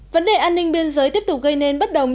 vấn đề an ninh biên giới tiếp tục gây nên bất đồng